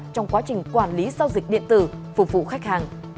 trong quá trình quản lý giao dịch điện tử phục vụ khách hàng